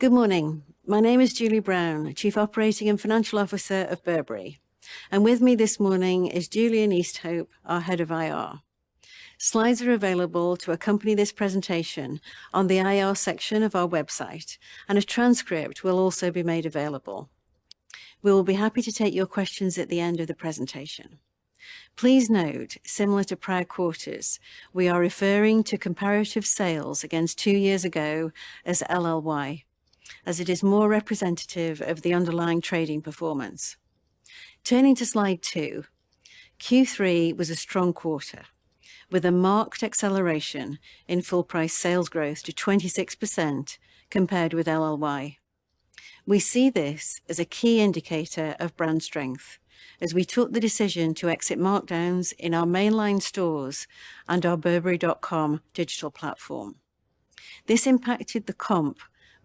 Good morning. My name is Julie Brown, Chief Operating and Financial Officer of Burberry. With me this morning is Julian Easthope, our Head of IR. Slides are available to accompany this presentation on the IR section of our website, and a transcript will also be made available. We will be happy to take your questions at the end of the presentation. Please note, similar to prior quarters, we are referring to comparative sales against two years ago as LLY, as it is more representative of the underlying trading performance. Turning to slide two, Q3 was a strong quarter, with a marked acceleration in full price sales growth to 26% compared with LLY. We see this as a key indicator of brand strength as we took the decision to exit markdowns in our mainline stores and our burberry.com digital platform. This impacted the comp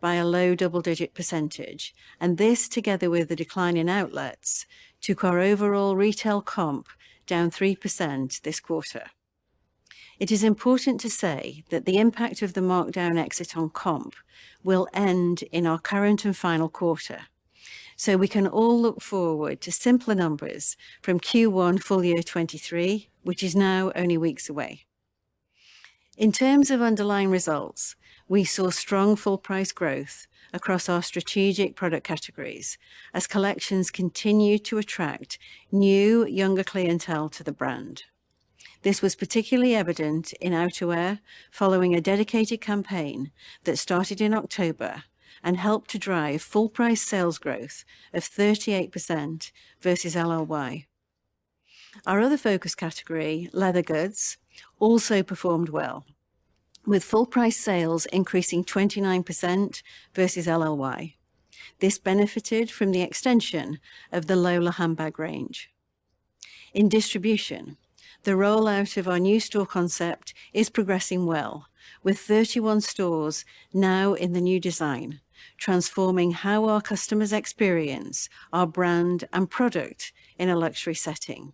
by a low double-digit percentage, and this, together with the decline in outlets, took our overall retail comp down 3% this quarter. It is important to say that the impact of the markdown exit on comp will end in our current and final quarter, so we can all look forward to simpler numbers from Q1 FY 2023, which is now only weeks away. In terms of underlying results, we saw strong full price growth across our strategic product categories as collections continued to attract new, younger clientele to the brand. This was particularly evident in outerwear following a dedicated campaign that started in October and helped to drive full price sales growth of 38% versus LLY. Our other focus category, Leather Goods, also performed well, with full price sales increasing 29% versus LLY. This benefited from the extension of the Lola handbag range. In distribution, the rollout of our new store concept is progressing well, with 31 stores now in the new design, transforming how our customers experience our brand and product in a luxury setting.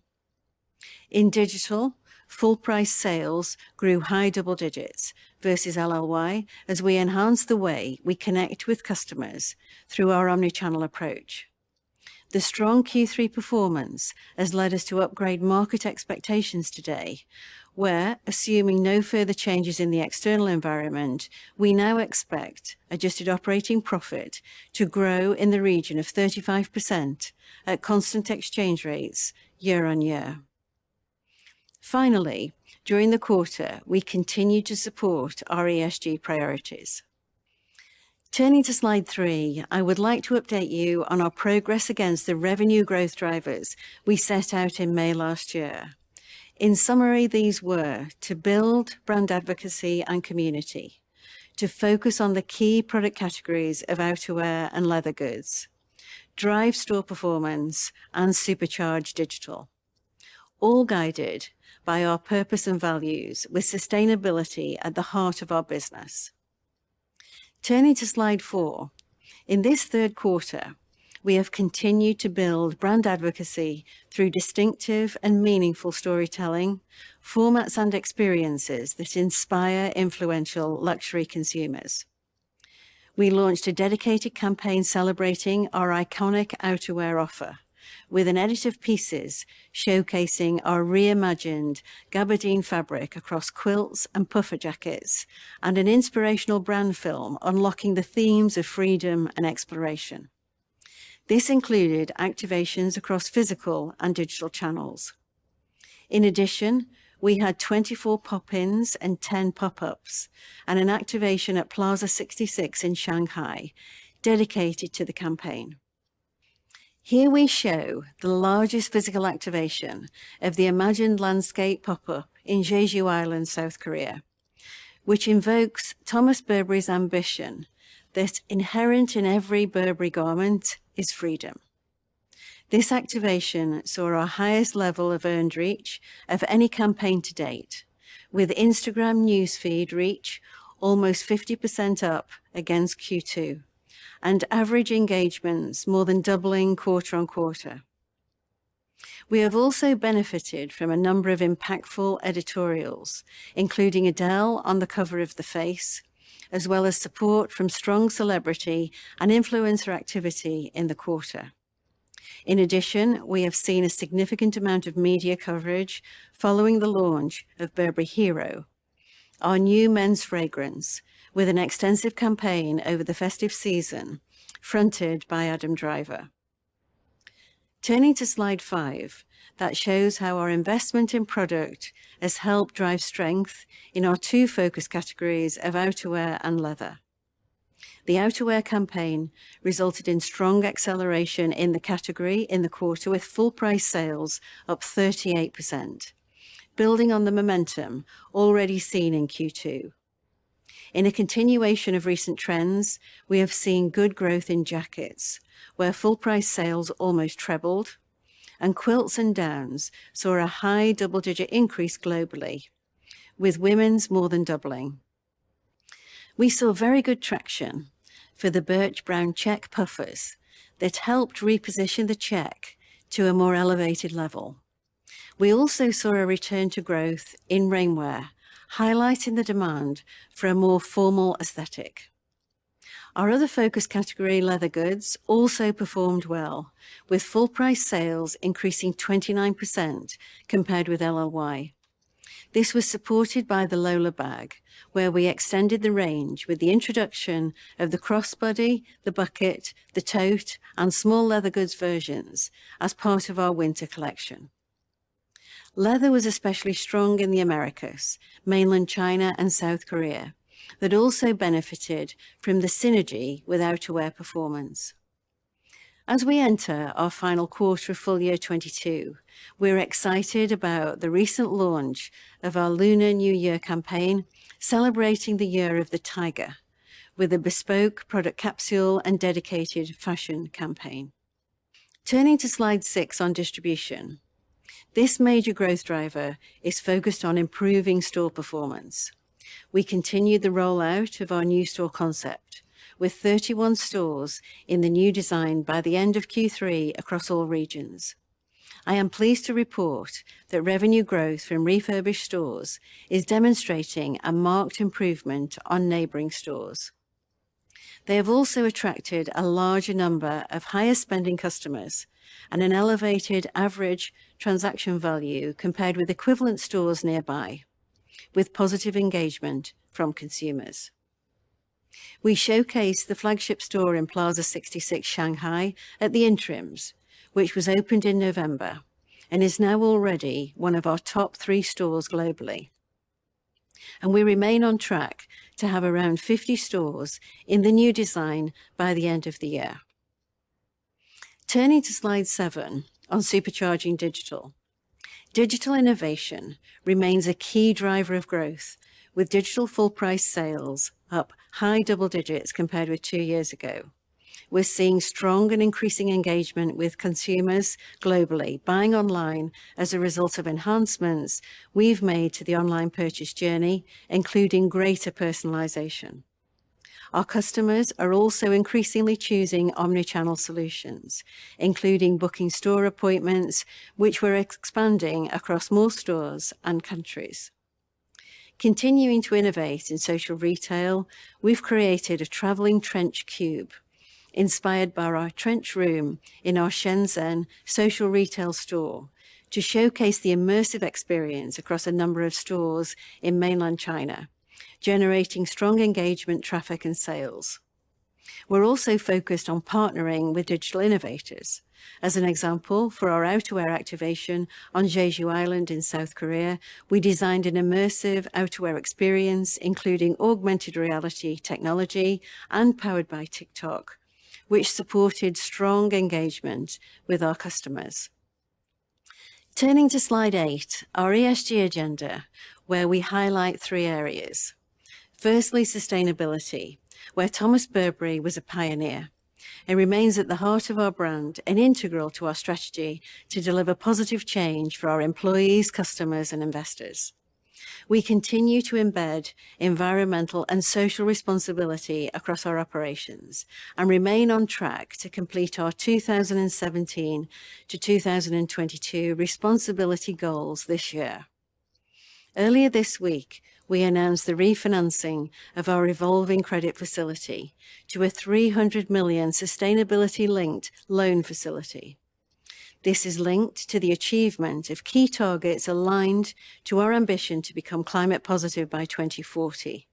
In digital, full price sales grew high double digits versus LLY as we enhanced the way we connect with customers through our omni-channel approach. The strong Q3 performance has led us to upgrade market expectations today, where, assuming no further changes in the external environment, we now expect adjusted operating profit to grow in the region of 35% at constant exchange rates year-over-year. Finally, during the quarter, we continued to support our ESG priorities. Turning to slide 3, I would like to update you on our progress against the revenue growth drivers we set out in May last year. In summary, these were to build brand advocacy and community, to focus on the key product categories of outerwear and leather goods, drive store performance, and supercharge digital, all guided by our purpose and values with sustainability at the heart of our business. Turning to slide 4, in this third quarter, we have continued to build brand advocacy through distinctive and meaningful storytelling, formats and experiences that inspire influential luxury consumers. We launched a dedicated campaign celebrating our iconic outerwear offer with an edit of pieces showcasing our reimagined gabardine fabric across quilts and puffer jackets and an inspirational brand film unlocking the themes of freedom and exploration. This included activations across physical and digital channels. In addition, we had 24 pop-ins and 10 pop-ups, and an activation at Plaza 66 in Shanghai dedicated to the campaign. Here we show the largest physical activation of the Imagined Landscape pop-up in Jeju Island, South Korea, which invokes Thomas Burberry's ambition that inherent in every Burberry garment is freedom. This activation saw our highest level of earned reach of any campaign to date, with Instagram news feed reach almost 50% up against Q2 and average engagements more than doubling quarter-over-quarter. We have also benefited from a number of impactful editorials, including Adele on the cover of The Face, as well as support from strong celebrity and influencer activity in the quarter. In addition, we have seen a significant amount of media coverage following the launch of Burberry Hero, our new men's fragrance, with an extensive campaign over the festive season fronted by Adam Driver. Turning to slide five, that shows how our investment in product has helped drive strength in our two focus categories of outerwear and leather. The outerwear campaign resulted in strong acceleration in the category in the quarter, with full price sales up 38%, building on the momentum already seen in Q2. In a continuation of recent trends, we have seen good growth in jackets, where full price sales almost trebled, and quilts and downs saw a high double-digit increase globally, with women's more than doubling. We saw very good traction for the Birch Brown Check puffers that helped reposition the check to a more elevated level. We also saw a return to growth in rainwear, highlighting the demand for a more formal aesthetic. Our other focus category, leather goods, also performed well, with full price sales increasing 29% compared with LLY. This was supported by the Lola bag, where we extended the range with the introduction of the crossbody, the bucket, the tote, and small leather goods versions as part of our winter collection. Leather was especially strong in the Americas, Mainland China, and South Korea that also benefited from the synergy with outerwear performance. As we enter our final quarter of full year 2022, we're excited about the recent launch of our Lunar New Year campaign, celebrating the Year of the Tiger with a bespoke product capsule and dedicated fashion campaign. Turning to slide 6 on distribution. This major growth driver is focused on improving store performance. We continued the rollout of our new store concept with 31 stores in the new design by the end of Q3 across all regions. I am pleased to report that revenue growth from refurbished stores is demonstrating a marked improvement on neighboring stores. They have also attracted a larger number of higher spending customers and an elevated average transaction value compared with equivalent stores nearby, with positive engagement from consumers. We showcased the flagship store in Plaza 66, Shanghai at the interims, which was opened in November and is now already one of our top three stores globally. We remain on track to have around 50 stores in the new design by the end of the year. Turning to slide seven on supercharging digital. Digital innovation remains a key driver of growth with digital full price sales up high double digits compared with two years ago. We're seeing strong and increasing engagement with consumers globally, buying online as a result of enhancements we've made to the online purchase journey, including greater personalization. Our customers are also increasingly choosing omni-channel solutions, including booking store appointments, which we're expanding across more stores and countries. Continuing to innovate in social retail, we've created a traveling trench cube inspired by our trench room in our Shenzhen social retail store to showcase the immersive experience across a number of stores in Mainland China, generating strong engagement, traffic, and sales. We're also focused on partnering with digital innovators. As an example, for our outerwear activation on Jeju Island in South Korea, we designed an immersive outerwear experience, including augmented reality technology and powered by TikTok, which supported strong engagement with our customers. Turning to slide eight, our ESG agenda, where we highlight three areas. Firstly, sustainability, where Thomas Burberry was a pioneer and remains at the heart of our brand and integral to our strategy to deliver positive change for our employees, customers, and investors. We continue to embed environmental and social responsibility across our operations and remain on track to complete our 2017-2022 responsibility goals this year. Earlier this week, we announced the refinancing of our revolving credit facility to a 300 million sustainability-linked loan facility. This is linked to the achievement of key targets aligned to our ambition to become climate positive by 2040.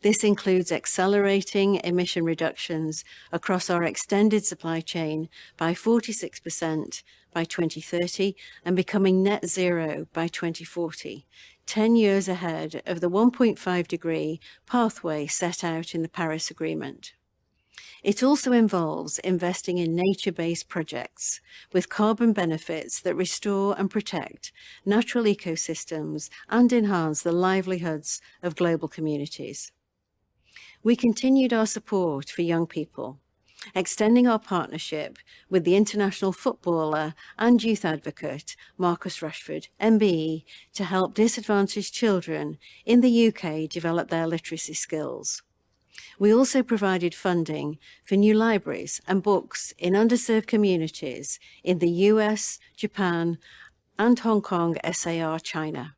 This includes accelerating emission reductions across our extended supply chain by 46% by 2030 and becoming net zero by 2040, ten years ahead of the 1.5 degree pathway set out in the Paris Agreement. It also involves investing in nature-based projects with carbon benefits that restore and protect natural ecosystems and enhance the livelihoods of global communities. We continued our support for young people, extending our partnership with the international footballer and youth advocate, Marcus Rashford MBE, to help disadvantaged children in the U.K. develop their literacy skills. We also provided funding for new libraries and books in underserved communities in the U.S., Japan, and Hong Kong SAR, China.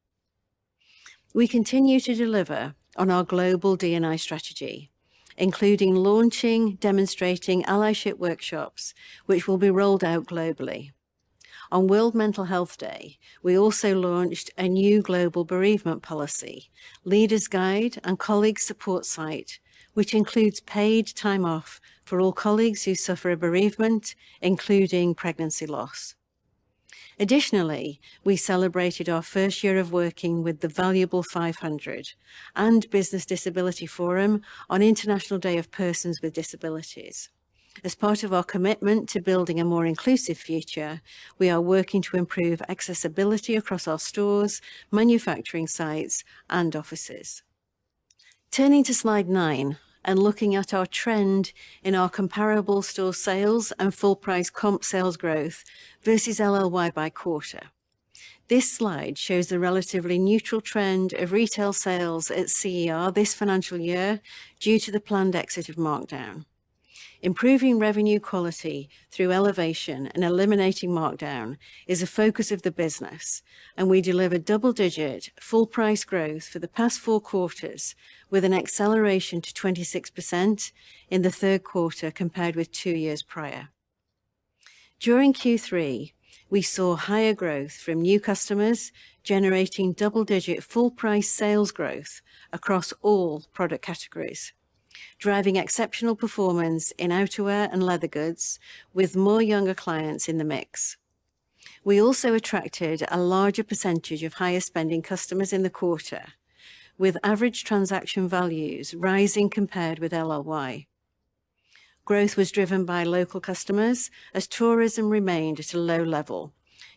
We continue to deliver on our global D&I strategy, including launching demonstrating allyship workshops, which will be rolled out globally. On World Mental Health Day, we also launched a new global bereavement policy, leaders guide, and colleague support site, which includes paid time off for all colleagues who suffer a bereavement, including pregnancy loss. Additionally, we celebrated our first year of working with The Valuable 500 and Business Disability Forum on International Day of Persons with Disabilities. As part of our commitment to building a more inclusive future, we are working to improve accessibility across our stores, manufacturing sites, and offices. Turning to slide nine and looking at our trend in our comparable store sales and full price comp sales growth versus LLY by quarter. This slide shows the relatively neutral trend of retail sales at CER this financial year due to the planned exit of markdown. Improving revenue quality through elevation and eliminating markdown is a focus of the business, and we delivered double-digit full price growth for the past four quarters with an acceleration to 26% in the third quarter compared with two years prior. During Q3, we saw higher growth from new customers, generating double-digit full price sales growth across all product categories, driving exceptional performance in outerwear and leather goods with more younger clients in the mix. We also attracted a larger percentage of higher spending customers in the quarter, with average transaction values rising compared with LLY. Growth was driven by local customers as tourism remained at a low level,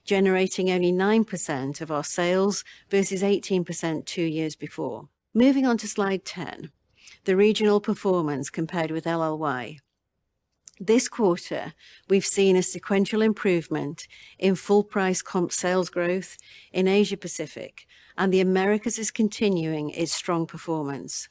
generating only 9% of our sales versus 18% two years before. Moving on to slide 10, the regional performance compared with LLY. This quarter, we've seen a sequential improvement in full price comp sales growth in Asia Pacific, and the Americas is continuing its strong performance.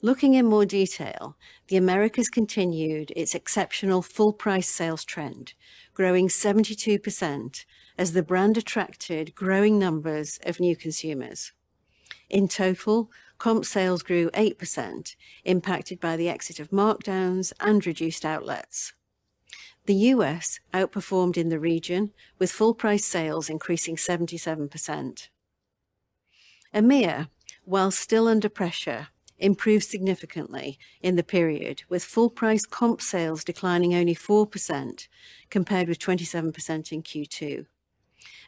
Looking in more detail, the Americas continued its exceptional full price sales trend, growing 72% as the brand attracted growing numbers of new consumers. In total, comp sales grew 8% impacted by the exit of markdowns and reduced outlets. The U.S. outperformed in the region with full price sales increasing 77%. EMEA, while still under pressure, improved significantly in the period with full price comp sales declining only 4% compared with 27% in Q2.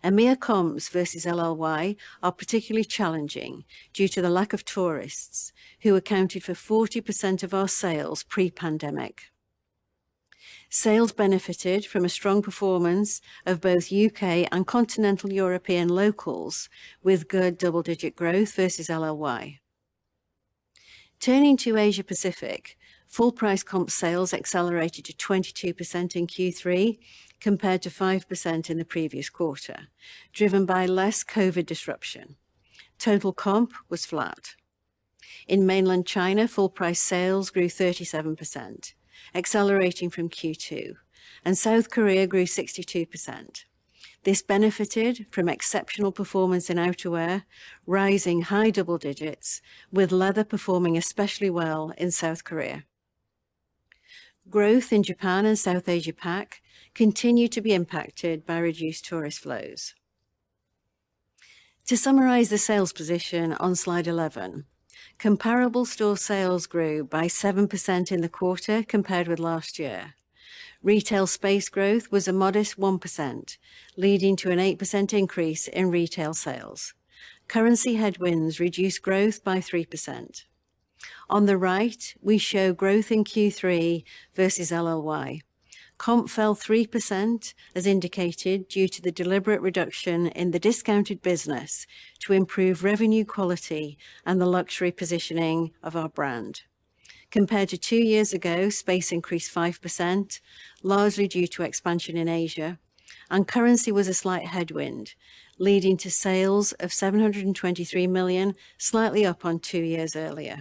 EMEA comps versus LFL are particularly challenging due to the lack of tourists who accounted for 40% of our sales pre-pandemic. Sales benefited from a strong performance of both UK and Continental European locals with good double-digit growth versus LFL. Turning to Asia Pacific, full price comp sales accelerated to 22% in Q3 compared to 5% in the previous quarter, driven by less COVID disruption. Total comp was flat. In Mainland China, full price sales grew 37%, accelerating from Q2, and South Korea grew 62%. This benefited from exceptional performance in outerwear, rising high double digits, with leather performing especially well in South Korea. Growth in Japan and South Asia Pac continued to be impacted by reduced tourist flows. To summarize the sales position on slide 11, comparable store sales grew by 7% in the quarter compared with last year. Retail space growth was a modest 1%, leading to an 8% increase in retail sales. Currency headwinds reduced growth by 3%. On the right, we show growth in Q3 versus LLY. Comp fell 3% as indicated due to the deliberate reduction in the discounted business to improve revenue quality and the luxury positioning of our brand. Compared to two years ago, space increased 5%, largely due to expansion in Asia, and currency was a slight headwind, leading to sales of 723 million, slightly up on two years earlier.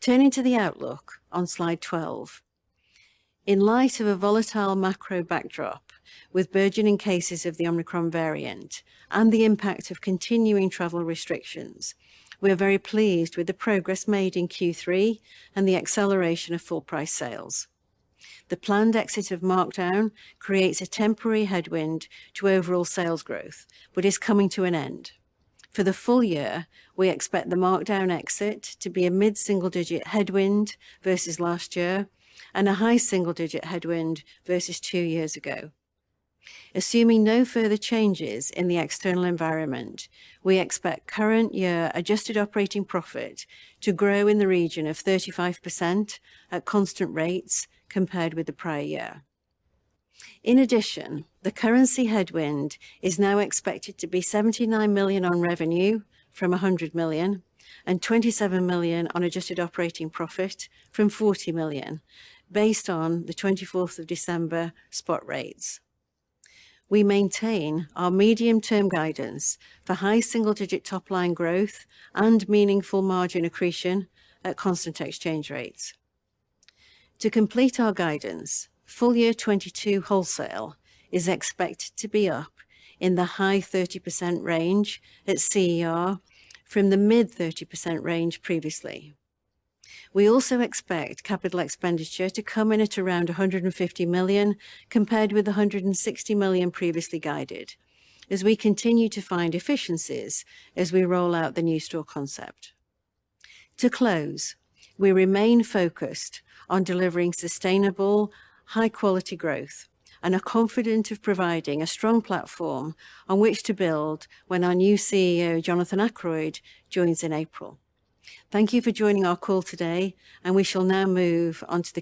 Turning to the outlook on slide 12. In light of a volatile macro backdrop with burgeoning cases of the Omicron variant and the impact of continuing travel restrictions, we are very pleased with the progress made in Q3 and the acceleration of full price sales. The planned exit of markdown creates a temporary headwind to overall sales growth, but is coming to an end. For the full year, we expect the markdown exit to be a mid-single digit headwind versus last year and a high single digit headwind versus two years ago. Assuming no further changes in the external environment, we expect current year adjusted operating profit to grow in the region of 35% at constant rates compared with the prior year. In addition, the currency headwind is now expected to be 79 million on revenue from 100 million and 27 million on adjusted operating profit from 40 million based on the twenty-fourth of December spot rates. We maintain our medium-term guidance for high single-digit top-line growth and meaningful margin accretion at constant exchange rates. To complete our guidance, full year 2022 wholesale is expected to be up in the high 30% range at CER from the mid 30% range previously. We also expect capital expenditure to come in at around 150 million, compared with 160 million previously guided as we continue to find efficiencies as we roll out the new store concept. To close, we remain focused on delivering sustainable, high-quality growth and are confident of providing a strong platform on which to build when our new CEO, Jonathan Akeroyd, joins in April. Thank you for joining our call today, and we shall now move on to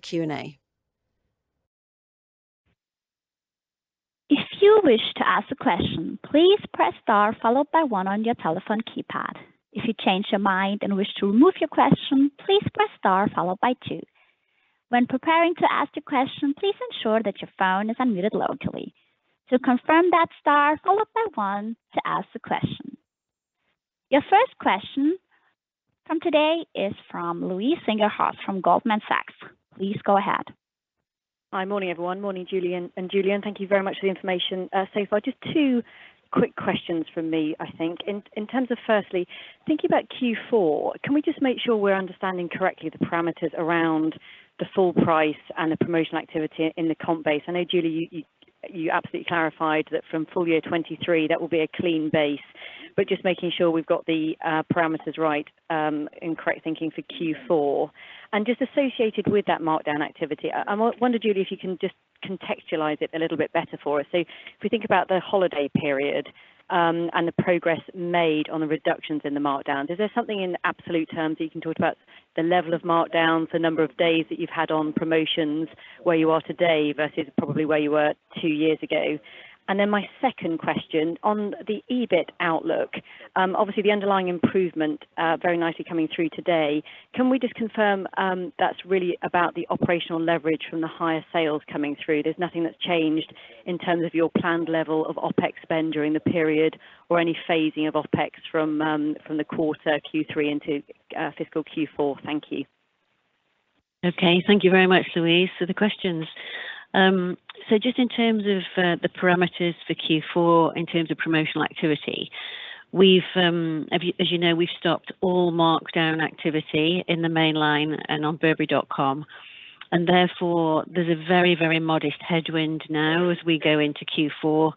the Q&A. Your first question from today is from Louise Singlehurst from Goldman Sachs. Please go ahead. Hi. Morning, everyone. Morning, Julie and Julian. Thank you very much for the information so far. Just two quick questions from me, I think. In terms of firstly, thinking about Q4, can we just make sure we're understanding correctly the parameters around the full price and the promotional activity in the comp base? I know, Julie, you absolutely clarified that from full year 2023, that will be a clean base. But just making sure we've got the parameters right and correct thinking for Q4. Just associated with that markdown activity, I wonder, Julie, if you can just contextualize it a little bit better for us. If we think about the holiday period, and the progress made on the reductions in the markdowns, is there something in absolute terms that you can talk about the level of markdowns, the number of days that you've had on promotions, where you are today versus probably where you were two years ago? Then my second question on the EBIT outlook, obviously the underlying improvement, very nicely coming through today. Can we just confirm, that's really about the operational leverage from the higher sales coming through? There's nothing that's changed in terms of your planned level of OpEx spend during the period or any phasing of OpEx from the quarter Q3 into fiscal Q4. Thank you. Okay. Thank you very much, Louise, for the questions. So just in terms of the parameters for Q4 in terms of promotional activity, as you know, we've stopped all markdown activity in the mainline and on burberry.com, and therefore, there's a very modest headwind now as we go into Q4,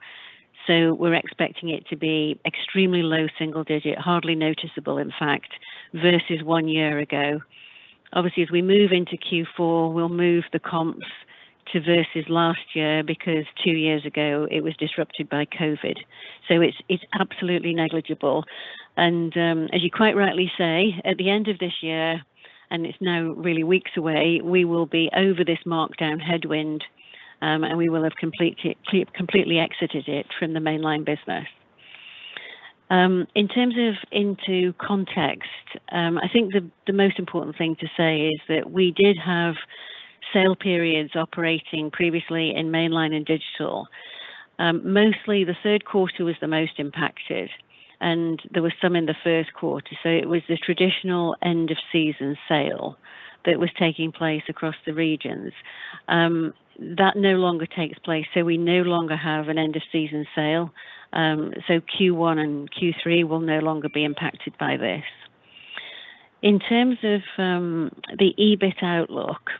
so we're expecting it to be extremely low single digit, hardly noticeable, in fact, versus one year ago. Obviously, as we move into Q4, we'll move the comps to versus last year because two years ago it was disrupted by COVID, so it's absolutely negligible. As you quite rightly say, at the end of this year, and it's now really weeks away, we will be over this markdown headwind, and we will have completely exited it from the mainline business. In terms of the context, I think the most important thing to say is that we did have sale periods operating previously in mainline and digital. Mostly the third quarter was the most impacted, and there was some in the first quarter, so it was the traditional end of season sale that was taking place across the regions. That no longer takes place, so we no longer have an end of season sale. Q1 and Q3 will no longer be impacted by this. In terms of the EBIT outlook,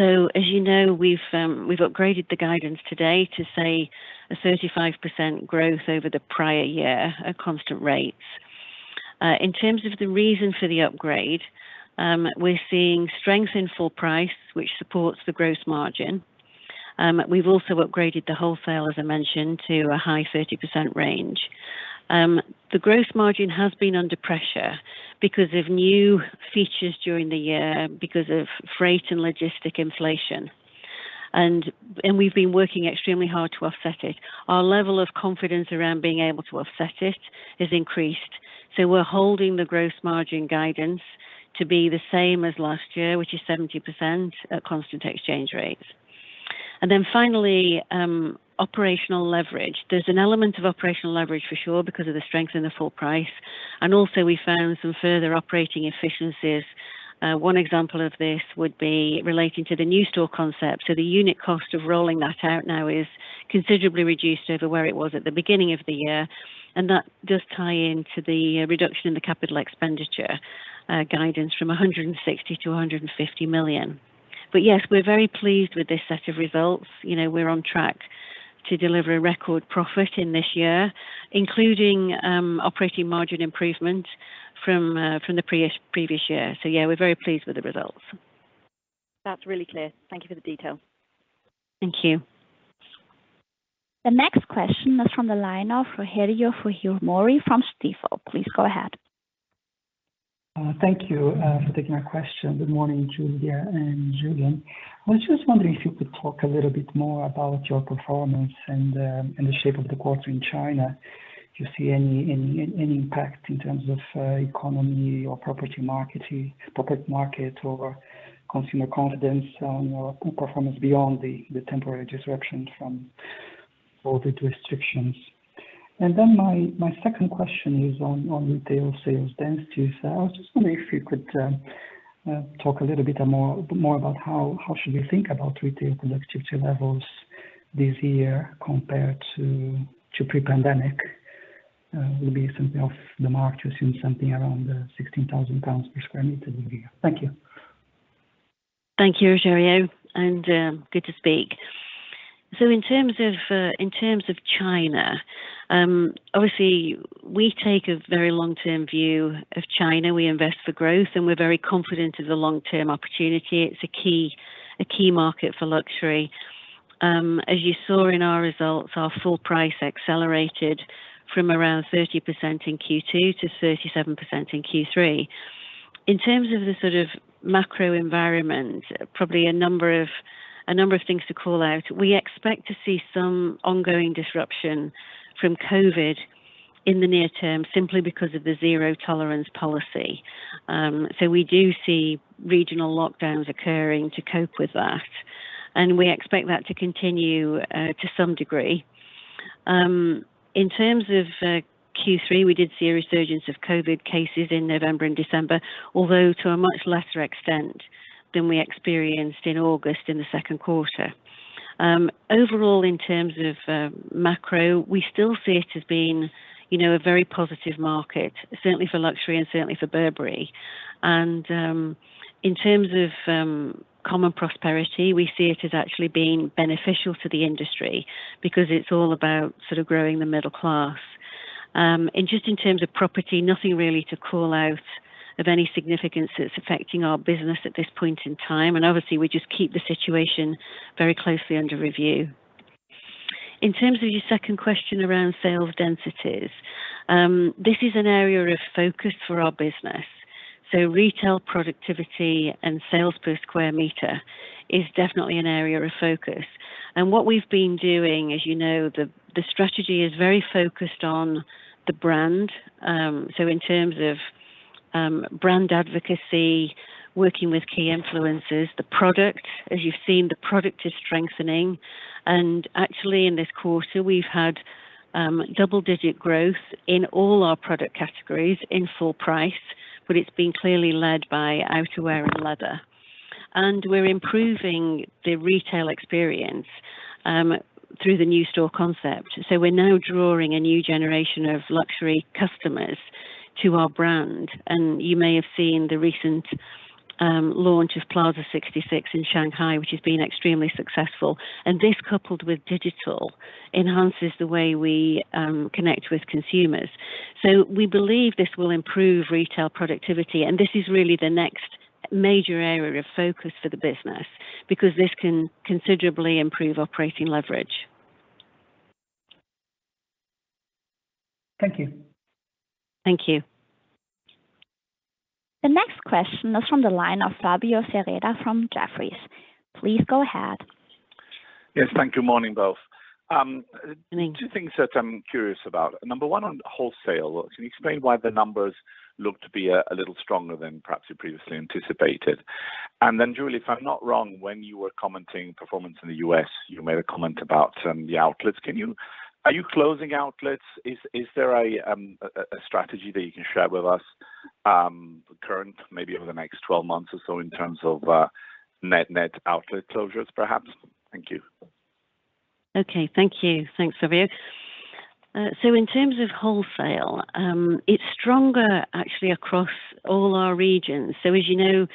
as you know, we've upgraded the guidance today to say 35% growth over the prior year at constant rates. In terms of the reason for the upgrade, we're seeing strength in full price, which supports the gross margin. We've also upgraded the wholesale, as I mentioned, to a high 30% range. The gross margin has been under pressure because of new features during the year because of freight and logistics inflation and we've been working extremely hard to offset it. Our level of confidence around being able to offset it has increased, so we're holding the gross margin guidance to be the same as last year, which is 70% at constant exchange rates. Operational leverage. There's an element of operational leverage for sure because of the strength in the full price, and also we found some further operating efficiencies. One example of this would be relating to the new store concept. The unit cost of rolling that out now is considerably reduced over where it was at the beginning of the year, and that does tie into the reduction in the capital expenditure guidance from 160 million to 150 million. Yes, we're very pleased with this set of results. You know, we're on track to deliver a record profit in this year, including operating margin improvement from the previous year. Yeah, we're very pleased with the results. That's really clear. Thank you for the detail. Thank you. The next question is from the line of Rogerio Fujimori from Stifel. Please go ahead. Thank you for taking my question. Good morning, Julie and Julian. I was just wondering if you could talk a little bit more about your performance and the shape of the quarter in China. Do you see any impact in terms of economy or property market, public market or consumer confidence on your performance beyond the temporary disruptions from COVID restrictions? My second question is on retail sales density. I was just wondering if you could talk a little bit more about how should we think about retail productivity levels this year compared to pre-pandemic? Would it be something off the mark to assume something around 16,000 pounds per sq m? Thank you. Thank you, Rogerio, and good to speak. In terms of China, obviously we take a very long-term view of China. We invest for growth, and we're very confident of the long-term opportunity. It's a key market for luxury. As you saw in our results, our full price accelerated from around 30% in Q2 to 37% in Q3. In terms of the sort of macro environment, probably a number of things to call out. We expect to see some ongoing disruption from COVID in the near term simply because of the zero-tolerance policy. We do see regional lockdowns occurring to cope with that. We expect that to continue to some degree. In terms of Q3, we did see a resurgence of COVID cases in November and December, although to a much lesser extent than we experienced in August in the second quarter. Overall, in terms of macro, we still see it as being, you know, a very positive market, certainly for luxury and certainly for Burberry. In terms of common prosperity, we see it as actually being beneficial to the industry because it's all about sort of growing the middle class. Just in terms of property, nothing really to call out of any significance that's affecting our business at this point in time. Obviously, we just keep the situation very closely under review. In terms of your second question around sales densities, this is an area of focus for our business. Retail productivity and sales per square meter is definitely an area of focus. What we've been doing, as you know, the strategy is very focused on the brand. In terms of brand advocacy, working with key influencers. The product, as you've seen, the product is strengthening. Actually in this quarter, we've had double-digit growth in all our product categories in full price, but it's been clearly led by outerwear and leather. We're improving the retail experience through the new store concept. We're now drawing a new generation of luxury customers to our brand. You may have seen the recent launch of Plaza 66 in Shanghai, which has been extremely successful. This coupled with digital enhances the way we connect with consumers. We believe this will improve retail productivity, and this is really the next major area of focus for the business because this can considerably improve operating leverage. Thank you. Thank you. The next question is from the line of Flavio Cereda from Jefferies. Please go ahead. Yes, thank you. Morning, both. Morning. Two things that I'm curious about. Number one on wholesale, can you explain why the numbers look to be a little stronger than perhaps you previously anticipated? Then Julie, if I'm not wrong, when you were commenting performance in the U.S., you made a comment about the outlets. Are you closing outlets? Is there a strategy that you can share with us, current maybe over the next 12 months or so in terms of net outlet closures perhaps? Thank you. Okay. Thank you. Thanks, Flavio. In terms of wholesale, it's stronger actually across all our regions. As you know,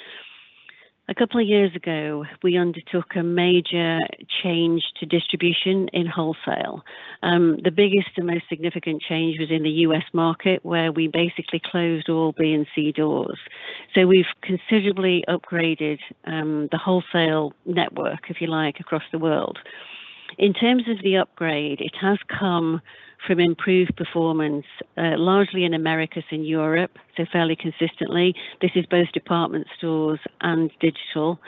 a couple of years ago, we undertook a major change to distribution in wholesale. The biggest and most significant change was in the U.S. market where we basically closed all B and C doors. We've considerably upgraded the wholesale network, if you like, across the world. In terms of the upgrade, it has come from improved performance largely in Americas and Europe, so fairly consistently. This is both department stores and digital.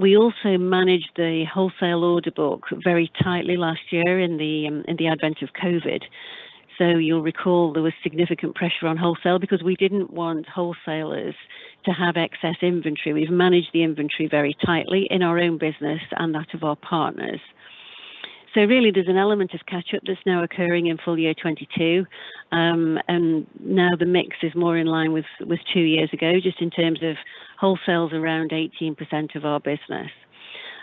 We also managed the wholesale order book very tightly last year in the event of COVID. You'll recall there was significant pressure on wholesale because we didn't want wholesalers to have excess inventory. We've managed the inventory very tightly in our own business and that of our partners. Really there's an element of catch-up that's now occurring in full year 2022. Now the mix is more in line with two years ago just in terms of wholesale is around 18% of our business.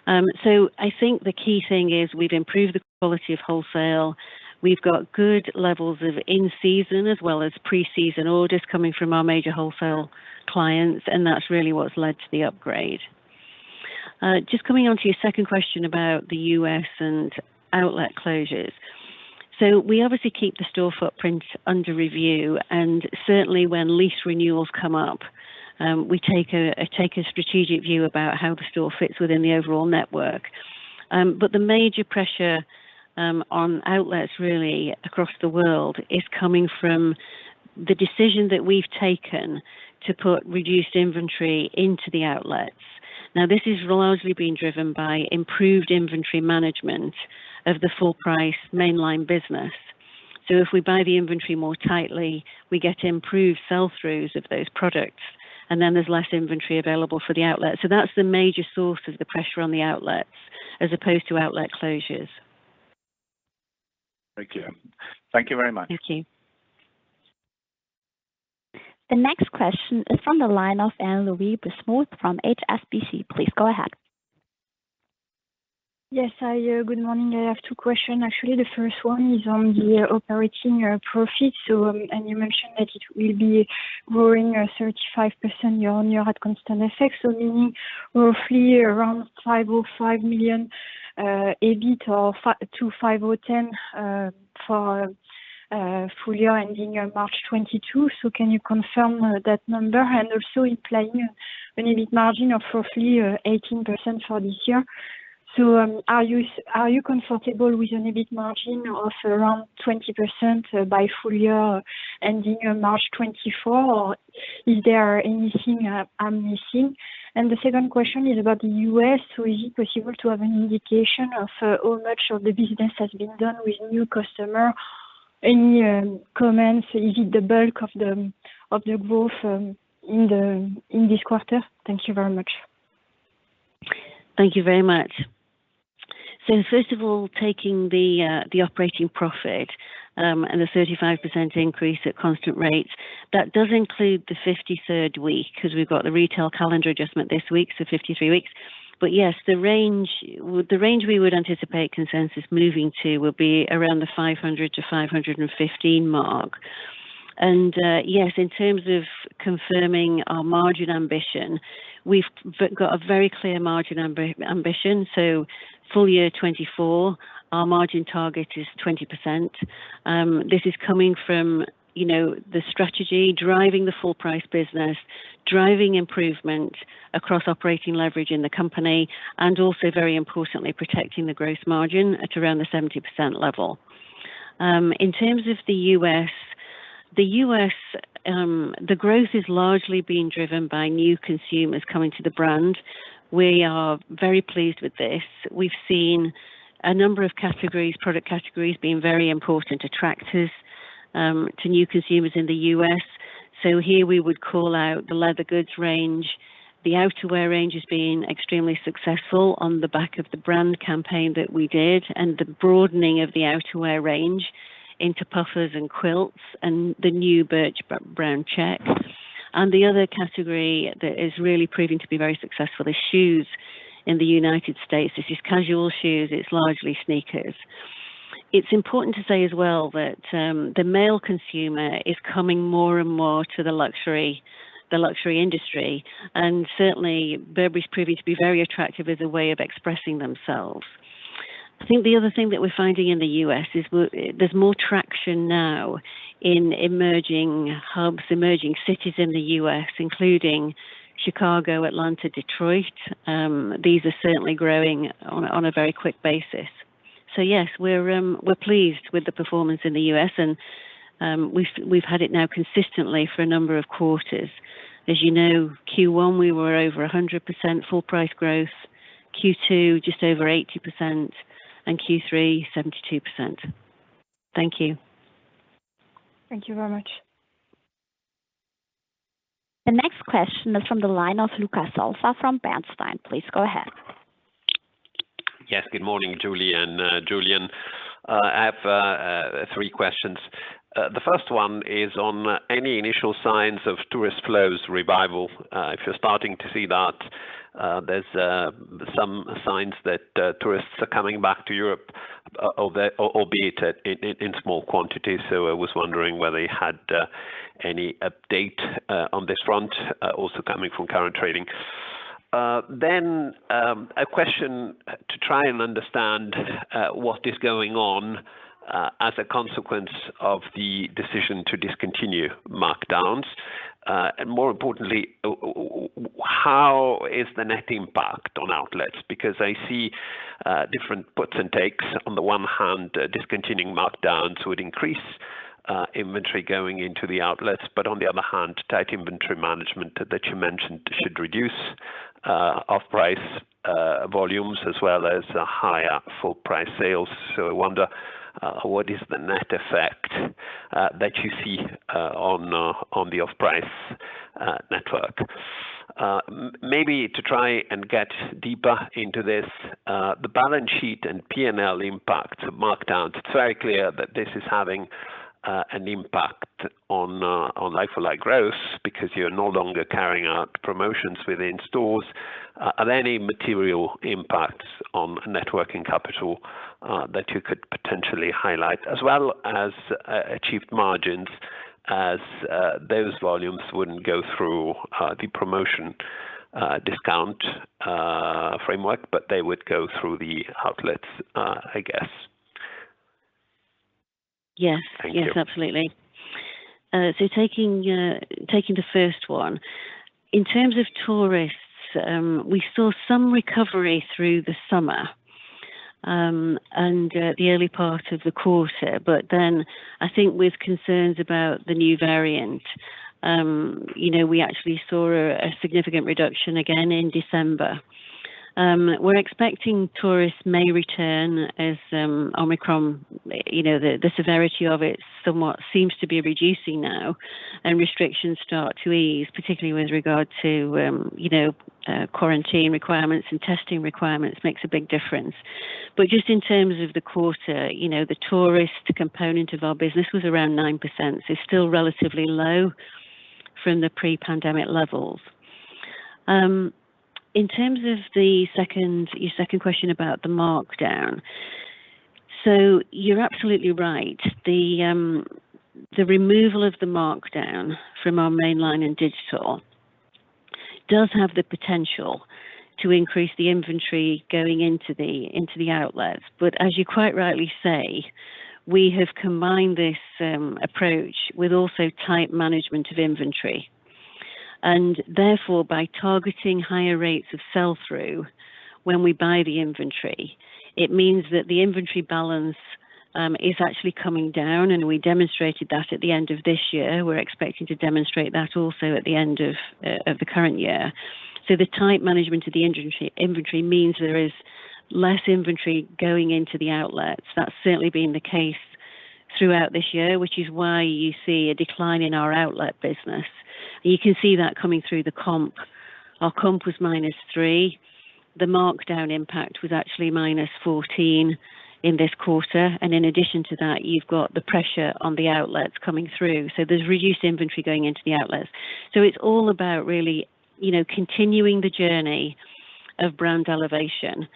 I think the key thing is we've improved the quality of wholesale. We've got good levels of in-season as well as pre-season orders coming from our major wholesale clients, and that's really what's led to the upgrade. Just coming onto your second question about the U.S. and outlet closures. We obviously keep the store footprint under review, and certainly when lease renewals come up, we take a strategic view about how the store fits within the overall network. The major pressure on outlets really across the world is coming from the decision that we've taken to put reduced inventory into the outlets. Now, this is largely being driven by improved inventory management of the full price mainline business. If we buy the inventory more tightly, we get improved sell-throughs of those products, and then there's less inventory available for the outlet. That's the major source of the pressure on the outlets as opposed to outlet closures. Thank you. Thank you very much. Thank you. The next question is from the line of Anne-Laure Bismuth from HSBC. Please go ahead. Yes. Hi. Good morning. I have two questions actually. The first one is on the operating profit. You mentioned that it will be growing 35% year-on-year at CER, meaning roughly around 505 million EBIT to 510 million for full year ending in March 2022. Can you confirm that number? Also you're planning an EBIT margin of roughly 18% for this year. Are you comfortable with an EBIT margin of around 20% by full year ending in March 2024, or is there anything I'm missing? The second question is about the U.S. Is it possible to have an indication of how much of the business has been done with new customers? Any comments if the bulk of the growth in this quarter? Thank you very much. Thank you very much. First of all, taking the operating profit and the 35% increase at constant rates, that does include the 53rd week, 'cause we've got the retail calendar adjustment this week, so 53 weeks. Yes, the range we would anticipate consensus moving to will be around the 500 million-515 million mark. Yes, in terms of confirming our margin ambition, we've got a very clear margin ambition. Full year 2024, our margin target is 20%. This is coming from, you know, the strategy driving the full price business, driving improvement across operating leverage in the company, and also very importantly, protecting the gross margin at around the 70% level. In terms of the U.S., the growth is largely being driven by new consumers coming to the brand. We are very pleased with this. We've seen a number of categories, product categories being very important attractors to new consumers in the U.S. Here we would call out the leather goods range. The outerwear range has been extremely successful on the back of the brand campaign that we did and the broadening of the outerwear range into puffers and quilts and the new Birch Brown checks. The other category that is really proving to be very successful is shoes in the United States. This is casual shoes. It's largely sneakers. It's important to say as well that the male consumer is coming more and more to the luxury industry, and certainly Burberry is proving to be very attractive as a way of expressing themselves. I think the other thing that we're finding in the U.S. is there's more traction now in emerging hubs, emerging cities in the U.S., including Chicago, Atlanta, Detroit. These are certainly growing on a very quick basis. Yes, we're pleased with the performance in the U.S. and we've had it now consistently for a number of quarters. As you know, Q1 we were over 100% full price growth. Q2, just over 80%, and Q3, 72%. Thank you. Thank you very much. The next question is from the line of Luca Solca from Bernstein. Please go ahead. Yes. Good morning, Julie and Julian. I have three questions. The first one is on any initial signs of tourist flows revival, if you're starting to see that. There are some signs that tourists are coming back to Europe, albeit in small quantities. I was wondering whether you had any update on this front, also coming from current trading. A question to try and understand what is going on as a consequence of the decision to discontinue markdowns. More importantly, how is the net impact on outlets? Because I see different puts and takes. On the one hand, discontinuing markdowns would increase inventory going into the outlets. On the other hand, tight inventory management that you mentioned should reduce off-price volumes as well as higher full price sales. I wonder what is the net effect that you see on the off-price network. Maybe to try and get deeper into this, the balance sheet and P&L impact of markdowns, it's very clear that this is having an impact on like-for-like growth because you're no longer carrying out promotions within stores. Are there any material impacts on net working capital that you could potentially highlight, as well as achieved margins as those volumes wouldn't go through the promotion discount framework, but they would go through the outlets, I guess. Yes. Thank you. Yes, absolutely. Taking the first one. In terms of tourists, we saw some recovery through the summer and the early part of the quarter. Then I think with concerns about the new variant, you know, we actually saw a significant reduction again in December. We're expecting tourists may return as Omicron, you know, the severity of it somewhat seems to be reducing now and restrictions start to ease, particularly with regard to quarantine requirements and testing requirements makes a big difference. Just in terms of the quarter, you know, the tourist component of our business was around 9%, so still relatively low from the pre-pandemic levels. In terms of your second question about the markdown. You're absolutely right. The removal of the markdown from our mainline and digital does have the potential to increase the inventory going into the outlets. But as you quite rightly say, we have combined this approach with also tight management of inventory. And therefore, by targeting higher rates of sell-through when we buy the inventory, it means that the inventory balance is actually coming down, and we demonstrated that at the end of this year. We're expecting to demonstrate that also at the end of the current year. The tight management of the inventory means there is less inventory going into the outlets. That's certainly been the case throughout this year, which is why you see a decline in our outlet business. You can see that coming through the comp. Our comp was -3%. The markdown impact was actually -14% in this quarter. In addition to that, you've got the pressure on the outlets coming through. There's reduced inventory going into the outlets. It's all about really, you know, continuing the journey of brand elevation, you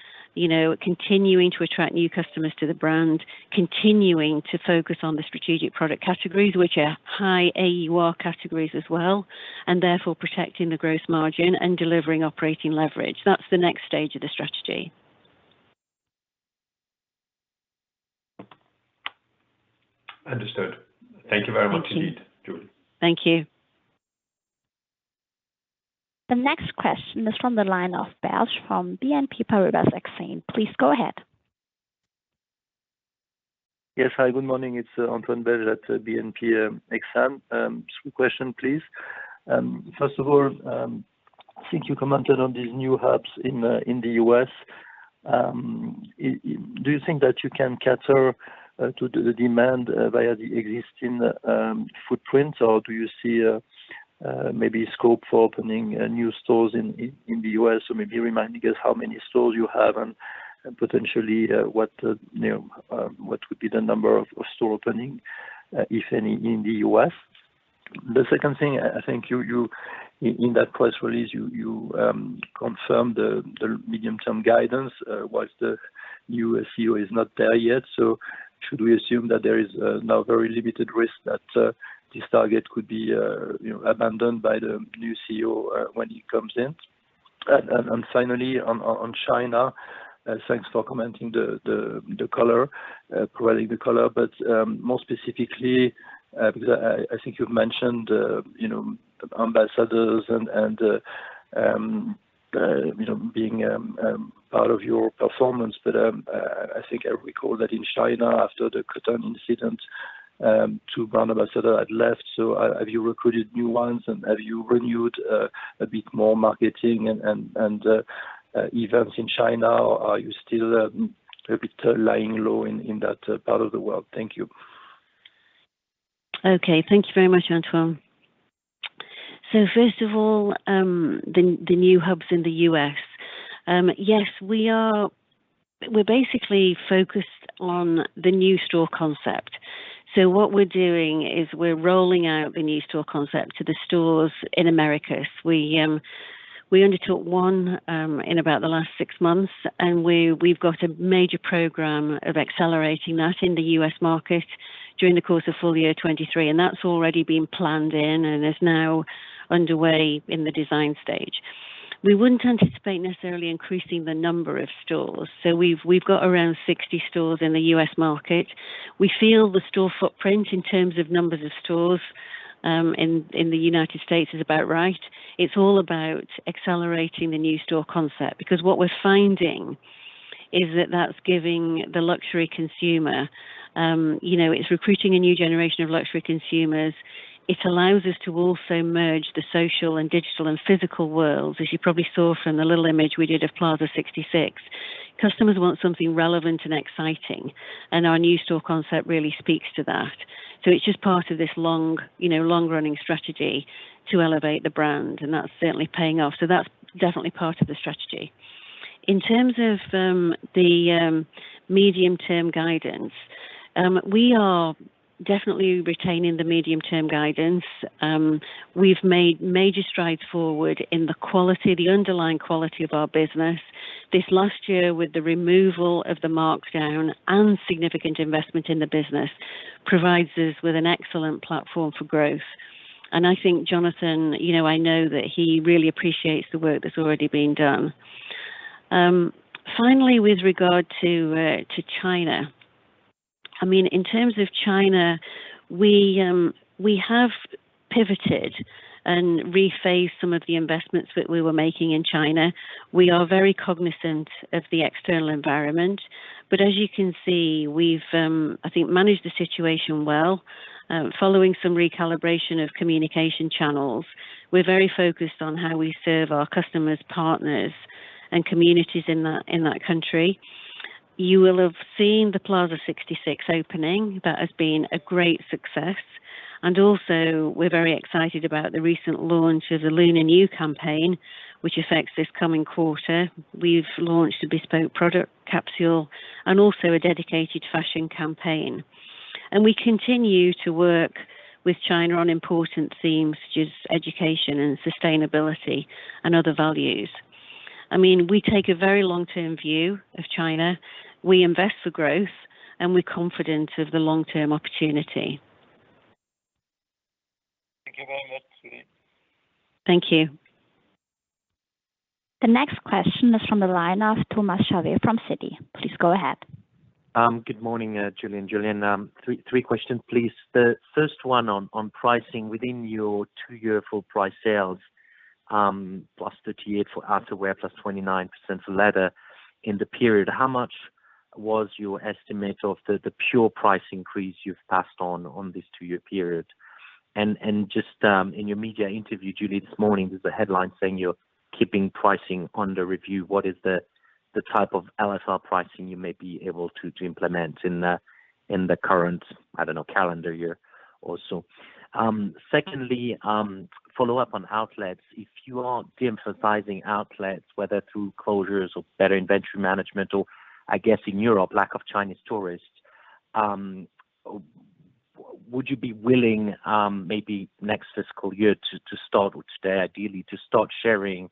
know, continuing to attract new customers to the brand, continuing to focus on the strategic product categories, which are high AUR categories as well, and therefore protecting the gross margin and delivering operating leverage. That's the next stage of the strategy. Understood. Thank you very much indeed, Julie. Thank you. The next question is from the line of Belge from BNP Paribas Exane. Please go ahead. Yes. Hi, good morning. It's Antoine Belge at BNP Paribas Exane. Two questions, please. First of all, I think you commented on these new hubs in the U.S. Do you think that you can cater to the demand via the existing footprint? Or do you see maybe scope for opening new stores in the U.S.? Maybe reminding us how many stores you have and potentially what would be the number of store openings, if any, in the U.S. The second thing, I think you in that press release confirmed the medium-term guidance whilst the new CEO is not there yet. Should we assume that there is now very limited risk that this target could be abandoned by the new CEO when he comes in? Finally on China, thanks for commenting on the color, providing the color. More specifically, because I think you've mentioned you know, ambassadors and you know, being part of your performance. I think I recall that in China, after the Cotton incident, two brand ambassadors had left. Have you recruited new ones, and have you renewed a bit more marketing and events in China? Are you still a bit lying low in that part of the world? Thank you. Okay. Thank you very much, Antoine. First of all, the new hubs in the U.S. Yes, we're basically focused on the new store concept. What we're doing is we're rolling out the new store concept to the stores in Americas. We only took one in about the last six months, and we've got a major program of accelerating that in the U.S. market during the course of full year 2023. That's already been planned in and is now underway in the design stage. We wouldn't anticipate necessarily increasing the number of stores. We've got around 60 stores in the U.S. market. We feel the store footprint in terms of numbers of stores in the United States is about right. It's all about accelerating the new store concept, because what we're finding is that that's giving the luxury consumer, you know, it's recruiting a new generation of luxury consumers. It allows us to also merge the social and digital and physical worlds, as you probably saw from the little image we did of Plaza 66. Customers want something relevant and exciting, and our new store concept really speaks to that. It's just part of this long, you know, long-running strategy to elevate the brand, and that's certainly paying off. That's definitely part of the strategy. In terms of the medium-term guidance, we are definitely retaining the medium-term guidance. We've made major strides forward in the quality, the underlying quality of our business. This last year, with the removal of the markdown and significant investment in the business, provides us with an excellent platform for growth. I think Jonathan, you know, I know that he really appreciates the work that's already been done. Finally, with regard to China, I mean, in terms of China, we have pivoted and rephased some of the investments that we were making in China. We are very cognizant of the external environment. But as you can see, we've, I think, managed the situation well, following some recalibration of communication channels. We're very focused on how we serve our customers, partners and communities in that country. You will have seen the Plaza 66 opening. That has been a great success. Also we're very excited about the recent launch of the Lunar New Year campaign, which affects this coming quarter. We've launched a bespoke product capsule and also a dedicated fashion campaign. We continue to work with China on important themes such as education and sustainability and other values. I mean, we take a very long-term view of China. We invest for growth, and we're confident of the long-term opportunity. Thank you very much, Julie. Thank you. The next question is from the line of Thomas Chauvet from Citi. Please go ahead. Good morning, Julie and Julian. Three questions, please. The first one on pricing within your two-year full price sales, +38 for outerwear, +29% for leather in the period. How much was your estimate of the pure price increase you've passed on in this two-year period. Just in your media interview, Julie, this morning, there's a headline saying you're keeping pricing under review. What is the type of LFL pricing you may be able to implement in the current, I don't know, calendar year or so? Secondly, follow up on outlets. If you are de-emphasizing outlets, whether through closures or better inventory management or I guess in Europe, lack of Chinese tourists, would you be willing, maybe next fiscal year to start, which they ideally to start sharing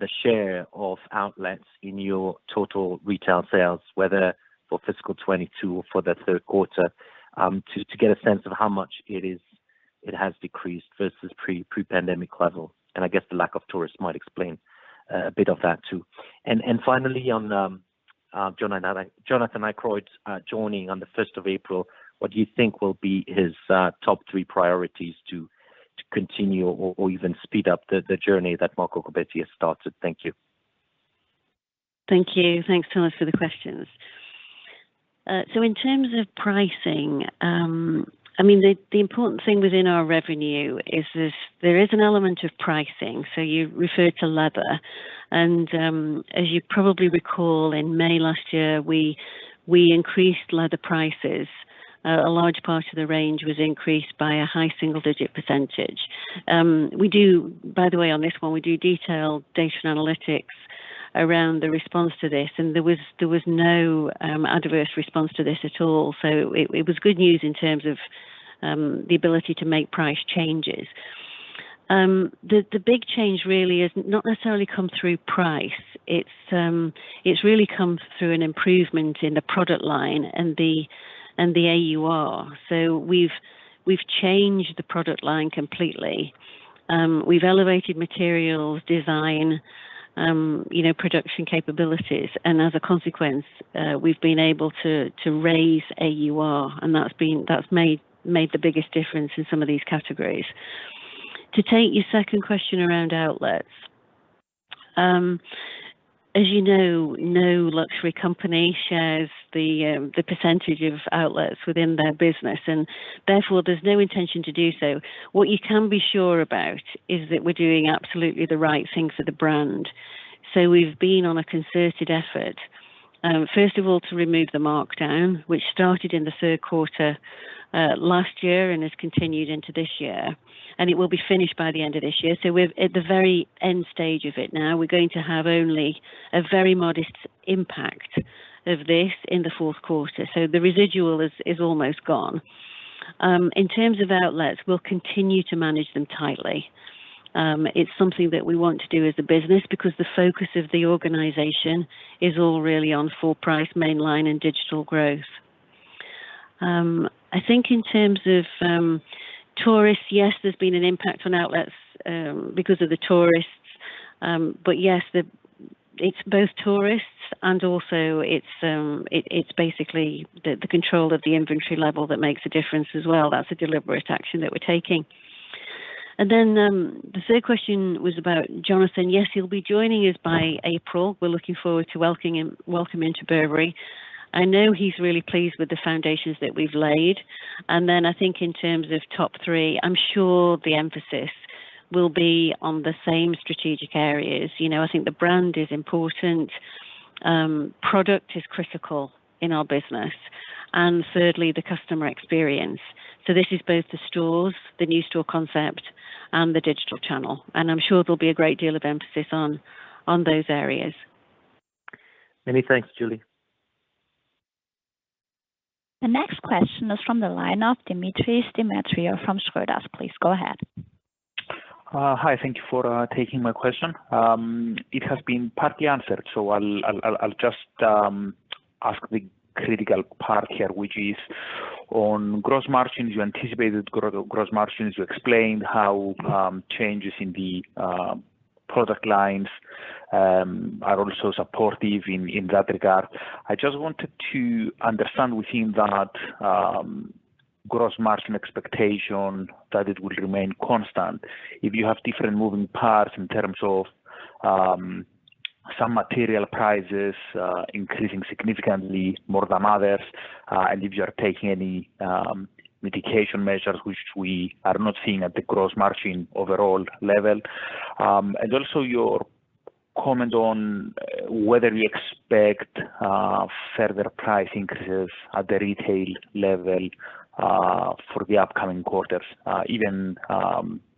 the share of outlets in your total retail sales, whether for fiscal 2022 or for the third quarter, to get a sense of how much it has decreased versus pre-pandemic level. I guess the lack of tourists might explain a bit of that too. Finally, on Jonathan Akeroyd joining on the first of April, what do you think will be his top three priorities to continue or even speed up the journey that Marco Gobbetti has started? Thank you. Thank you. Thanks, Thomas, for the questions. In terms of pricing, I mean, the important thing within our revenue is this, there is an element of pricing. You referred to leather. As you probably recall, in May last year, we increased leather prices. A large part of the range was increased by a high single-digit percentage. We do, by the way, on this one, detailed data analytics around the response to this. There was no adverse response to this at all. It was good news in terms of the ability to make price changes. The big change really has not necessarily come through price. It's really come through an improvement in the product line and the AUR. We've changed the product line completely. We've elevated materials, design, you know, production capabilities. As a consequence, we've been able to raise AUR, and that's made the biggest difference in some of these categories. To take your second question around outlets. As you know, no luxury company shares the percentage of outlets within their business, and therefore there's no intention to do so. What you can be sure about is that we're doing absolutely the right thing for the brand. We've been on a concerted effort, first of all, to remove the markdown, which started in the third quarter last year and has continued into this year, and it will be finished by the end of this year. We're at the very end stage of it now. We're going to have only a very modest impact of this in the fourth quarter. So the residual is almost gone. In terms of outlets, we'll continue to manage them tightly. It's something that we want to do as a business because the focus of the organization is all really on full price mainline and digital growth. I think in terms of tourists, yes, there's been an impact on outlets because of the tourists. But yes, it's both tourists and also it's basically the control of the inventory level that makes a difference as well. That's a deliberate action that we're taking. The third question was about Jonathan. Yes, he'll be joining us by April. We're looking forward to welcoming him to Burberry. I know he's really pleased with the foundations that we've laid. Then I think in terms of top three, I'm sure the emphasis will be on the same strategic areas. You know, I think the brand is important, product is critical in our business. Thirdly, the customer experience. This is both the stores, the new store concept, and the digital channel. I'm sure there'll be a great deal of emphasis on those areas. Many thanks, Julie. The next question is from the line of Demetris Demetriou from Schroders. Please go ahead. Hi, thank you for taking my question. It has been partly answered, so I'll just ask the critical part here, which is on gross margins. You anticipated gross margins. You explained how changes in the product lines are also supportive in that regard. I just wanted to understand within that gross margin expectation that it will remain constant. If you have different moving parts in terms of some material prices increasing significantly more than others, and if you are taking any mitigation measures, which we are not seeing at the gross margin overall level. Also your comment on whether we expect further price increases at the retail level for the upcoming quarters, even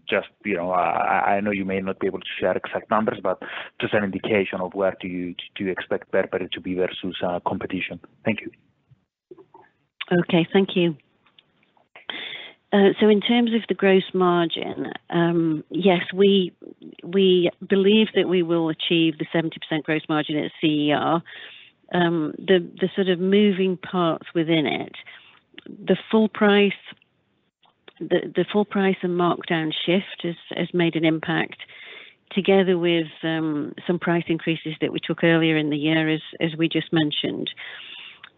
just, you know, I know you may not be able to share exact numbers, but just an indication of where do you expect Burberry to be versus competition. Thank you. Okay, thank you. In terms of the gross margin, yes, we believe that we will achieve the 70% gross margin at CER. The sort of moving parts within it, the full price and markdown shift has made an impact together with some price increases that we took earlier in the year as we just mentioned.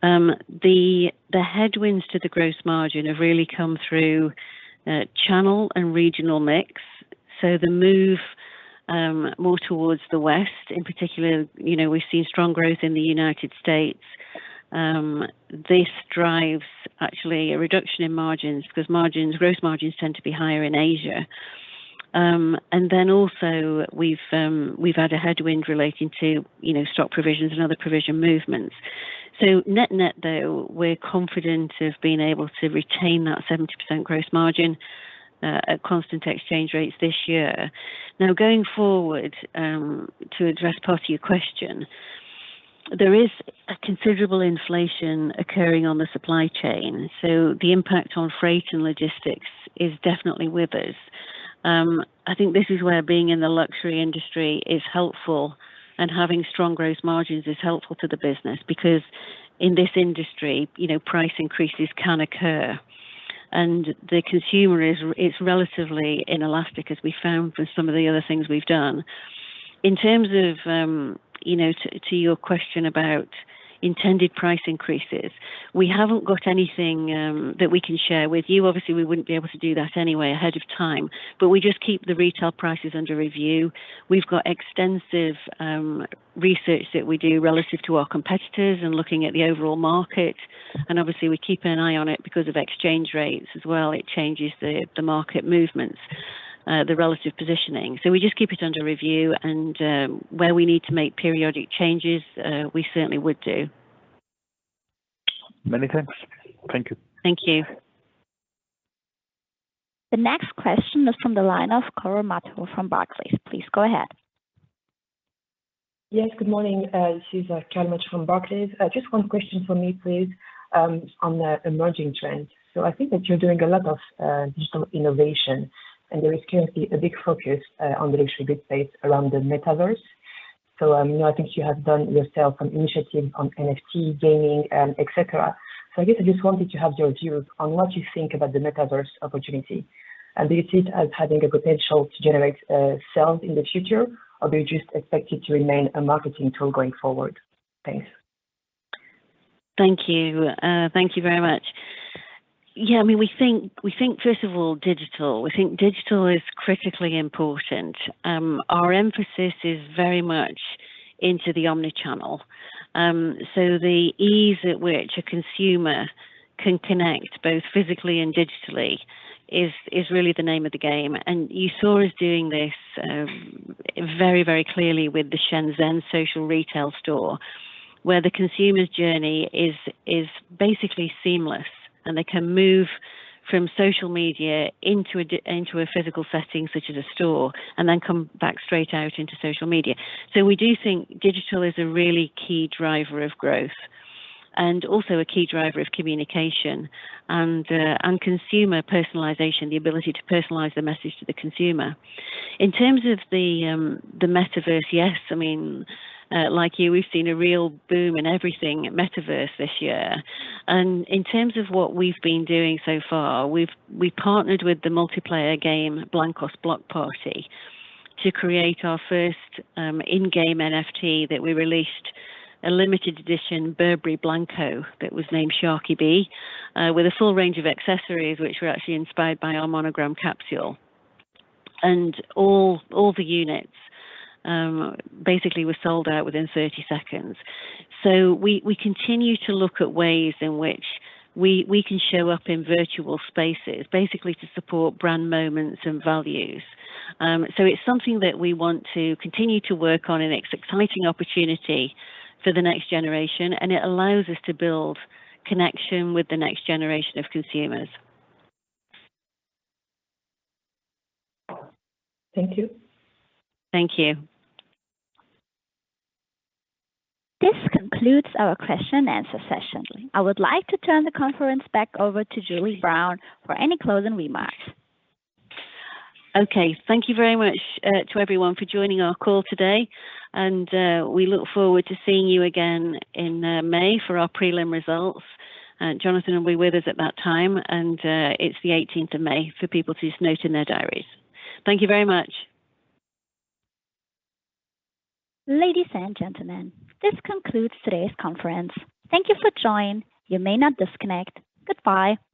The headwinds to the gross margin have really come through channel and regional mix. The move more towards the West in particular, you know, we've seen strong growth in the United States. This drives actually a reduction in margins because margins, gross margins tend to be higher in Asia. Then also we've had a headwind relating to, you know, stock provisions and other provision movements. Net-net though, we're confident of being able to retain that 70% gross margin at constant exchange rates this year. Now going forward, to address part of your question, there is a considerable inflation occurring on the supply chain, so the impact on freight and logistics is definitely with us. I think this is where being in the luxury industry is helpful and having strong gross margins is helpful to the business because in this industry, you know, price increases can occur. The consumer is relatively inelastic, as we found with some of the other things we've done. In terms of, you know, to your question about intended price increases, we haven't got anything that we can share with you. Obviously, we wouldn't be able to do that anyway ahead of time, but we just keep the retail prices under review. We've got extensive research that we do relative to our competitors and looking at the overall market. Obviously we're keeping an eye on it because of exchange rates as well. It changes the market movements, the relative positioning. We just keep it under review and where we need to make periodic changes, we certainly would do. Many thanks. Thank you. Thank you. The next question is from the line of Carole Madjo from Barclays. Please go ahead. Yes. Good morning. This is Carole Madjo from Barclays. Just one question for me, please, on the emerging trends. I think that you're doing a lot of digital innovation, and there is currently a big focus on the luxury space around the metaverse. You know, I think you have done yourself an initiative on NFT gaming, et cetera. I guess I just wanted to have your views on what you think about the metaverse opportunity. Do you see it as having a potential to generate sales in the future, or do you just expect it to remain a marketing tool going forward? Thanks. Thank you. Thank you very much. Yeah, I mean, we think first of all, digital. We think digital is critically important. Our emphasis is very much into the omni-channel. The ease at which a consumer can connect both physically and digitally is really the name of the game. You saw us doing this very clearly with the Shenzhen social retail store, where the consumer's journey is basically seamless, and they can move from social media into a physical setting such as a store, and then come back straight out into social media. We do think digital is a really key driver of growth and also a key driver of communication and consumer personalization, the ability to personalize the message to the consumer. In terms of the metaverse, yes. I mean, like you, we've seen a real boom in everything metaverse this year. In terms of what we've been doing so far, we've partnered with the multiplayer game Blankos Block Party to create our first in-game NFT that we released a limited edition Burberry Blanko that was named Sharky B with a full range of accessories, which were actually inspired by our Monogram capsule. All the units basically were sold out within 30 seconds. We continue to look at ways in which we can show up in virtual spaces, basically to support brand moments and values. It's something that we want to continue to work on, and it's exciting opportunity for the next generation, and it allows us to build connection with the next generation of consumers. Thank you. Thank you. This concludes our question and answer session. I would like to turn the conference back over to Julie Brown for any closing remarks. Okay. Thank you very much to everyone for joining our call today. We look forward to seeing you again in May for our prelim results. Jonathan will be with us at that time, and it's the eighteenth of May for people to note in their diaries. Thank you very much. Ladies and gentlemen, this concludes today's conference. Thank you for joining. You may now disconnect. Goodbye.